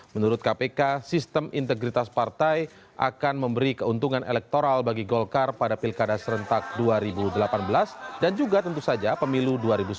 menurut kpk sistem integritas partai akan memberi keuntungan elektoral bagi golkar pada pilkada serentak dua ribu delapan belas dan juga tentu saja pemilu dua ribu sembilan belas